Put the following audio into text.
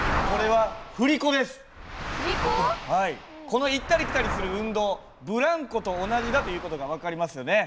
この行ったり来たりする運動ブランコと同じだという事が分かりますよね。